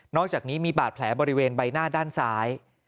อกจากนี้มีบาดแผลบริเวณใบหน้าด้านซ้าย